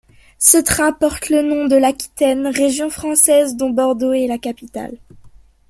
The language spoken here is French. Ce train porte le nom de l'Aquitaine, région française dont Bordeaux est la capitale.